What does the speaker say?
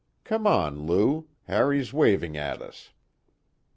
Come on, Lou. Harry's waving at us."